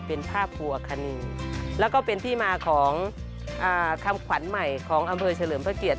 เป็นภาพบัวคณีแล้วก็เป็นที่มาของคำขวัญใหม่ของอำเภอเฉลิมพระเกียรติ